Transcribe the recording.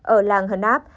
ở làng hân áp